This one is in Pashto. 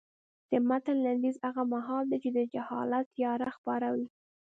د متن لنډیز هغه مهال دی چې د جهالت تیاره خپره وه.